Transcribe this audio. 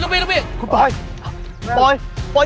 ฉันจะตัดพ่อตัดลูกกับแกเลย